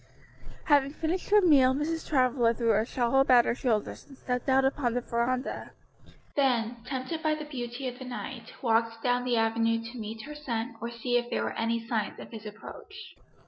Having finished her meal, Mrs. Travilla threw a shawl about her shoulders and stepped out upon the veranda; then, tempted by the beauty of the night, walked down the avenue to meet her son or see if there were any signs of his approach.